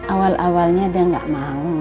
awal awalnya dia nggak mau